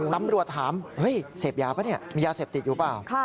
ตำรวจถามเสพยาป่ะเนี่ยมียาเสพติดอยู่เปล่า